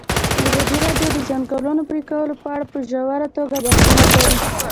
ازادي راډیو د د ځنګلونو پرېکول په اړه په ژوره توګه بحثونه کړي.